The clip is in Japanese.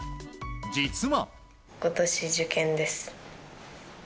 実は。